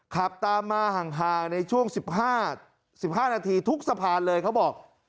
ขับตามมาห่างในช่วง๑๕๑๕นาทีทุกสะพานเลยเขาบอก